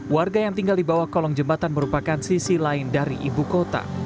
warga yang tinggal di bawah kolong jembatan merupakan sisi lain dari ibu kota